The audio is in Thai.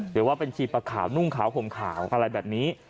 หรือว่าเป็นชีปะขาวนุ่งขาวห่มขาวอะไรแบบนี้